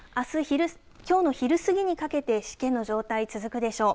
きょうの昼過ぎにかけてしけの状態、続くでしょう。